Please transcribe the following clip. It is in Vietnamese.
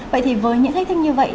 vậy thì với những thách thức như vậy